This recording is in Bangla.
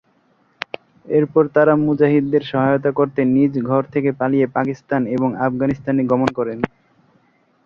এরপর তারা মুজাহিদদের সহায়তা করতে নিজ ঘর থেকে পালিয়ে পাকিস্তান এবং আফগানিস্তানে গমন করেন।